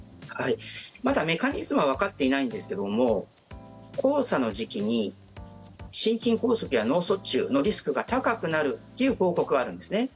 まだメカニズムはわかっていないんですけども黄砂の時期に心筋梗塞や脳卒中のリスクが高くなるという報告があるんですね。